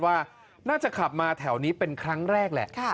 ว่าน่าจะขับมาแถวนี้เป็นครั้งแรกแหละ